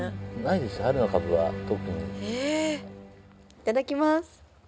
いただきます。